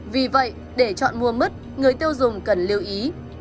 vì vậy để chọn mua mứt người tiêu dùng cần lưu ý